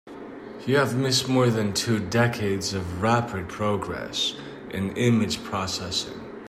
You have missed more than two decades of rapid progress in image processing.